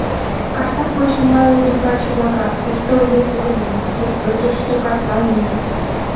Карсак почиҥга ӱдыр-каче-влакат, ӱстел йыр погынен, тӱр пӧртыштӧ картла нӱжыт.